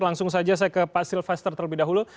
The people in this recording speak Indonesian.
langsung saja saya ke pak silvaster terlebih dahulu